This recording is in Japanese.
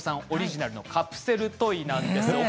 オリジナルのカプセルトイなんです。